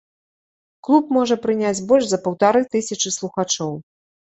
Клуб можа прыняць больш за паўтары тысячы слухачоў.